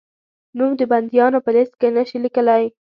نوم د بندیانو په لېسټ کې نه شې لیکلای؟